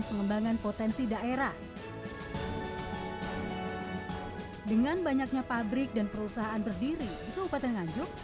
pengembangan potensi daerah dengan banyaknya pabrik dan perusahaan berdiri di kabupaten nganjuk